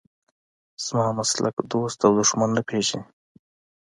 زما مسلک دوست او دښمن نه پېژني.